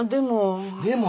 でも。